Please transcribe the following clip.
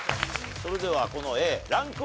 それではこのＡランクは？